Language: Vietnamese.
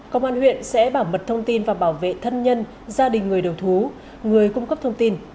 công an huyện sẽ bảo mật thông tin và bảo vệ thân nhân gia đình người đầu thú người cung cấp thông tin